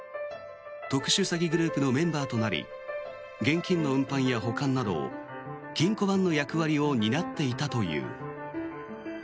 特殊詐欺グループのメンバーとなり現金の運搬や保管など金庫番の役割を担っていたという。